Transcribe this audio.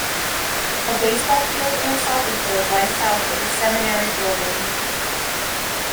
A baseball field and a soccer field lie south of the seminary building.